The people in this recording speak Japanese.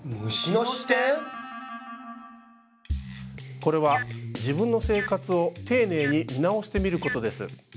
これは自分の生活を丁寧に見直してみることです。